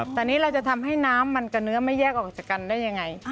แต่นี่เราจะทำให้น้ำมันกับเนื้อไม่แยกออกจากกันได้ยังไง